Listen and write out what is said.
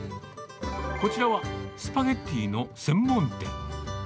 こちらはスパゲティの専門店。